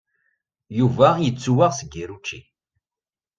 Yuba yettwaɣ seg yir učči.